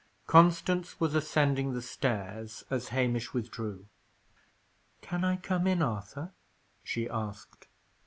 Constance was ascending the stairs as Hamish withdrew. "Can I come in, Arthur?" she asked.